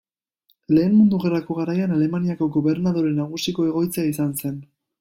Lehen Mundu Gerrako garaian, Alemaniako Gobernadore Nagusiko egoitza izan zen.